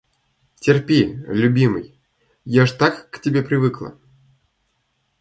Терпи, любимый. Я ж так к тебе привыкла!